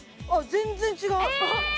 あっ全然違う！